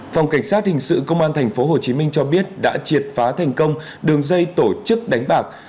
phòng cảnh sát hình sự công an tp hcm cho biết đã triệt phá thành công đường dây tổ chức đánh bạc